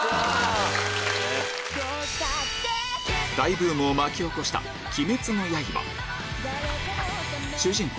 大ブームを巻き起こした主人公